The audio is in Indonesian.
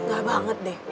gak banget deh